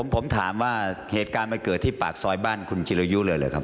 ผมถามว่าเหตุการณ์มันเกิดที่ปากซอยบ้านคุณจิรยุเลยหรือครับ